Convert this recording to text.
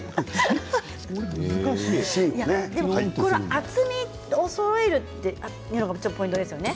厚みをそろえるというのがポイントですね。